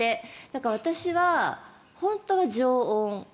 だから私は本当は常温。